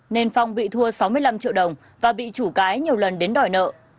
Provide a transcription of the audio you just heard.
nên phong bị thua sáu mươi năm triệu đồng và bị chủ cái nhiều lần đến đòi nợ